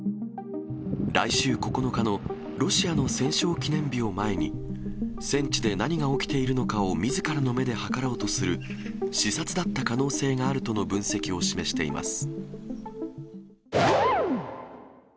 来週９日のロシアの戦勝記念日を前に、戦地で何が起きているのかをみずからの目ではかろうとする視察だった可能性があるとの分析を示しています。